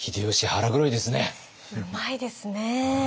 うまいですね。